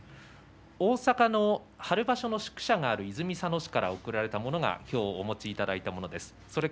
大阪の春場所の宿舎がある泉佐野市から贈られたものが今日、お持ちいただいたものです。